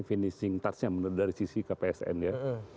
finishing touchnya dari sisi kpsn ya